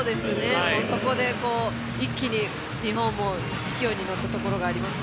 そこで一気に日本も勢いに乗ったところがあります。